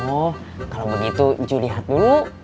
oh kalau begitu ju lihat dulu